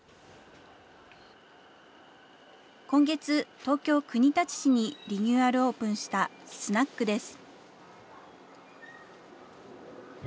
今月、東京・国立市にリニューアルオープンしたスナックです。